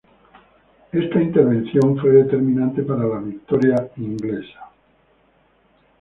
Esta intervención fue determinante para la victoria inglesa.